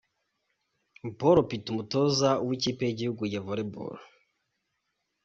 Paul Bitok umutoza w'ikipe y'igihugu ya Volleyball.